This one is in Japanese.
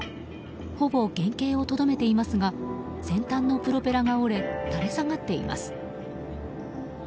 ほぼ原形をとどめていますが先端のプロペラが折れ垂れ下がっています。